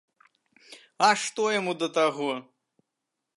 А што яму да таго!